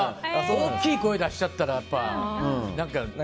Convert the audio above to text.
大きい声出しちゃったら。